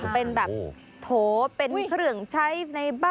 เป็นแบบโถเป็นเครื่องใช้ในบ้าน